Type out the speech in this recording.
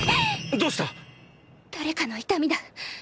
どうした⁉誰かの痛みだ。